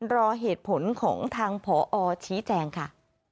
รอเหตุผลของทางผอชี้แจงค่ะ